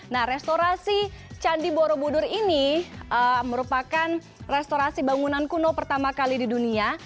nah restorasi candi borobudur ini merupakan restorasi bangunan kuno pertama kali di dunia